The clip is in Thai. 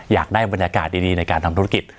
อยากได้บรรยากาศดีในการทำธุรกิจ